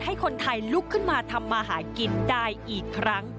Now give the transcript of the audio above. ให้คนไทยลุกขึ้นมาทำมาหากินได้อีกครั้ง